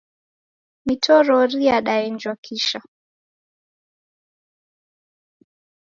Mitororo yadaenjwa kisha